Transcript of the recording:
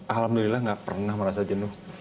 alhamdulillah gak pernah merasa jenuh